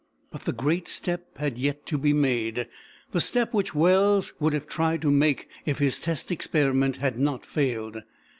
But the great step had yet to be made the step which Wells would have tried to make if his test experiment had not failed.